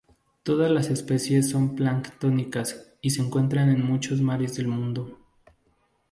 Todas las especies son planctónicas y se encuentran en muchos mares del mundo.